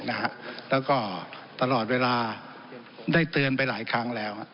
แล้วก็ตลอดเวลาได้เตือนไปหลายครั้งแล้ว